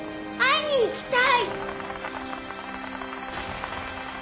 会いに行きたい！